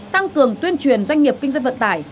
tăng cường tuyên truyền doanh nghiệp kinh doanh vận tải